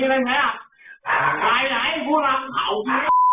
มันจะมาดู